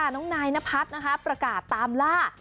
น้องนายนพัฒน์นะคะประกาศตามล่า